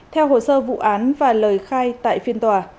theo hồ sơ vụ án và lời khai tại phiên tòa